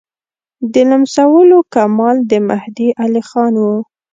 د لمسولو کمال د مهدي علیخان وو.